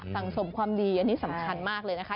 สมความดีอันนี้สำคัญมากเลยนะคะ